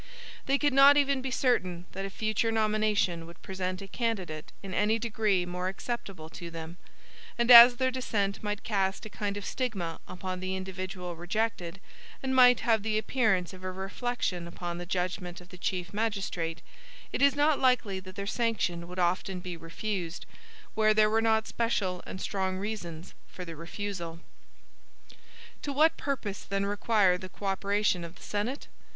They could not even be certain, that a future nomination would present a candidate in any degree more acceptable to them; and as their dissent might cast a kind of stigma upon the individual rejected, and might have the appearance of a reflection upon the judgment of the chief magistrate, it is not likely that their sanction would often be refused, where there were not special and strong reasons for the refusal. To what purpose then require the co operation of the Senate?